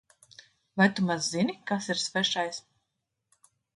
Vai tu maz zini, kas ir svešais?